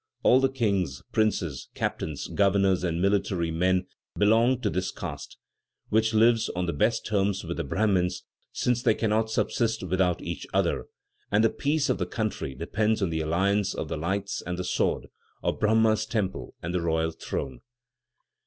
All the kings, princes, captains, governors and military men belong to this caste, which lives on the best terms with the Brahmins, since they cannot subsist without each other, and the peace of the country depends on the alliance of the lights and the sword, of Brahma's temple and the royal throne.